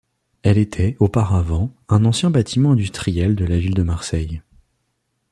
Elle était, auparavant, un ancien bâtiment industriel de la ville de Marseille.